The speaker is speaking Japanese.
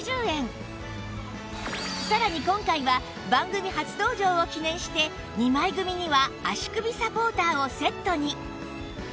さらに今回は番組初登場を記念して２枚組には足首サポーターをセットに！